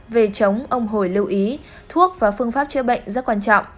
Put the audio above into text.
về chống ông hồi lưu ý thuốc và phương pháp chữa bệnh rất quan trọng